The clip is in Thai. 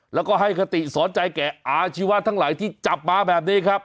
แล้วก็ให้คติสอนใจแก่อาชีวะทั้งหลายที่จับมาแบบนี้ครับ